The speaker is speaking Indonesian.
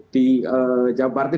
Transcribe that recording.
di jawa barat